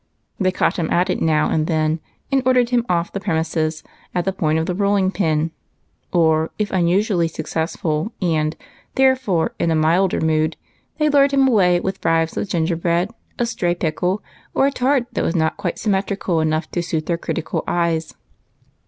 They caught him at it now and then, and ordered him off the premises at the point of the rolling pin ; or, if unusually successful, and, ther'efore, in a milder mood, they lured him away with bribes of ginger bread, a stray pickle, or a tart that was not quite symmetrical enough to suit their critical eyes.